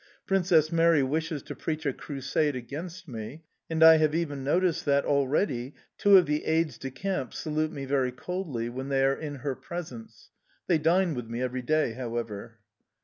Princess Mary wishes to preach a crusade against me, and I have even noticed that, already, two of the aides de camp salute me very coldly, when they are in her presence they dine with me every day, however.